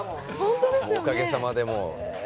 おかげさまで、もう。